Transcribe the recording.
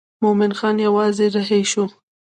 مومن خان یوازې رهي شو.